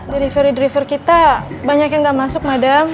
delivery delivery kita banyak yang gak masuk madam